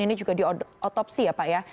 ini juga diotopsi ya pak ya